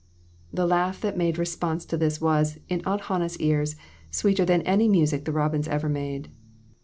The laugh that made response to this was, in Aunt Hannah's ears, sweeter than any music the robins ever made.